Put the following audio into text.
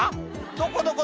「どこどこ？